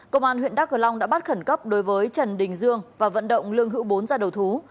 công an huyện đắk cờ long đã bắt khẩn cấp đối với trần đình dương và vận động lương hữu bốn ra đầu thú